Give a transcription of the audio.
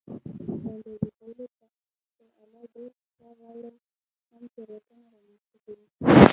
د اندازه کولو پر آله ډېر فشار راوړل هم تېروتنه رامنځته کوي.